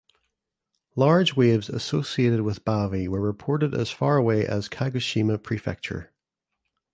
Large waves associated with Bavi were reported as far away as Kagoshima Prefecture.